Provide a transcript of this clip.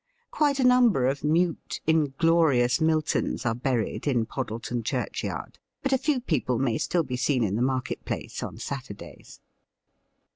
Quite a number of mute, inglorious Miltons are buried in Poddleton churchyard, but a few people may still be seen in the market place on Saturdays.